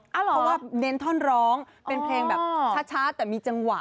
เพราะว่าเน้นท่อนร้องเป็นเพลงแบบช้าแต่มีจังหวะ